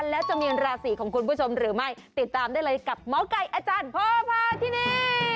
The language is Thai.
แล้วจะมีราศีของคุณผู้ชมหรือไม่ติดตามได้เลยกับหมอไก่อาจารย์พ่อพาที่นี่